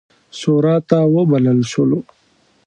شوراته وبلل شولو.